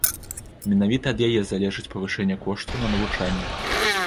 Менавіта ад яе залежыць павышэнне коштаў на навучанне.